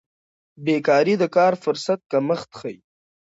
بیکاري د کار فرصت کمښت ښيي.